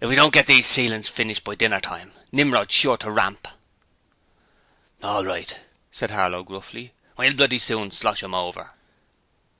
'If we don't get these ceilings finished by dinner time, Nimrod's sure to ramp.' 'All right,' said Harlow, gruffly. 'We'll bloody soon slosh 'em over.'